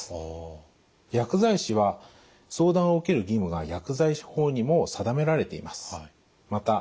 薬剤師は相談を受ける義務が薬剤師法にも定められています。